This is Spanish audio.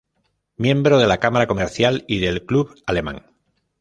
Miembro de la Cámara Comercial y del Club Alemán.